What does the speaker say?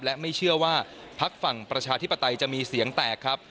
และไม่เชื่อว่าพักฝั่งประชาธิปไตยจะมีเสียงแตกครับ